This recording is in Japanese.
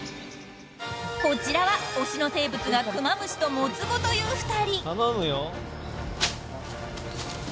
［こちらは推しの生物がクマムシとモツゴという２人］